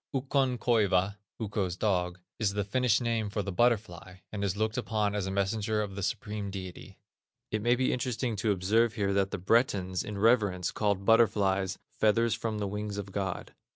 Ukkon koiva (Ukko's dog) is the Finnish name for the butterfly, and is looked upon as a messenger of the Supreme Deity. It may be interesting to observe here that the Bretons in reverence called butterflies, "feathers from the wings of God."